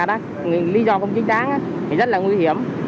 lý do không chính đáng thì rất là nguy hiểm